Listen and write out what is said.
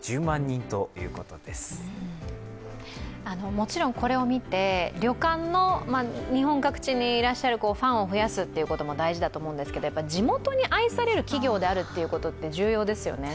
もちろんこれを見て旅館の、日本各地にいらっしゃるファンを増やすっていうことも大事だと思うんですけど、地元に愛される企業であることって重要ですよね。